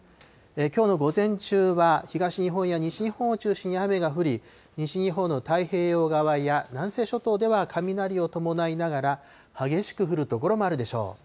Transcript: きょうの午前中は、東日本や西日本を中心に雨が降り、西日本の太平洋側や南西諸島では雷を伴いながら、激しく降る所もあるでしょう。